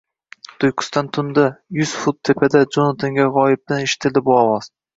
Tuyqusdan tunda, yuz fut tepada Jonatanga g‘oyibdan eshitildi bu ovoz.